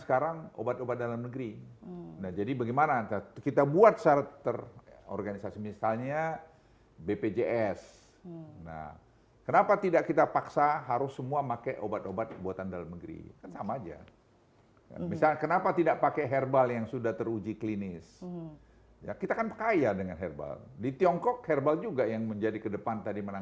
ada menteri kesehatan tadi